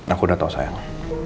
aku udah tahu sayang